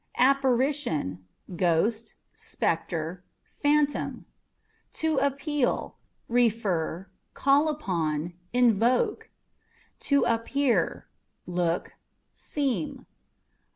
Apparition â€" ghost, spectre, phantom. To Appeal â€" refer, call upon, invoke. To Appear â€" look, seem.